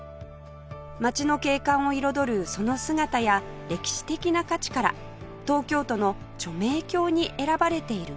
街の景観を彩るその姿や歴史的な価値から東京都の著名橋に選ばれている名所です